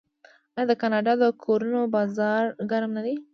آیا د کاناډا د کورونو بازار ګرم نه دی؟